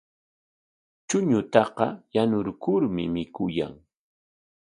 Chuñutaqa yanurkurmi mikuyan.